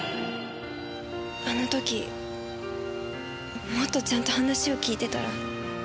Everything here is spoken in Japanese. あの時もっとちゃんと話を聞いてたら。